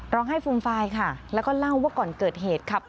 ให้ฟูมฟายค่ะแล้วก็เล่าว่าก่อนเกิดเหตุขับ